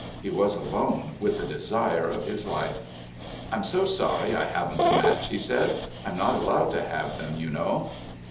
He was alone with the desire of his life. "I'm so so sorry I haven't a match," he said. "I'm not allowed to have them, you know."